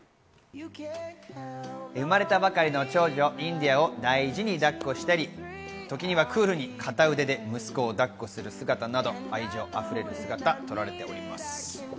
生まれたばかりの長女・インディアを大事に抱っこしたり、時にはクールに片腕で息子をだっこする姿など、愛情溢れる姿が撮られております。